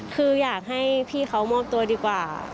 คืออยากให้พี่เขามอบตัวดีกว่า